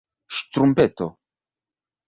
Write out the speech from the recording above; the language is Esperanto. ŝtrumpeto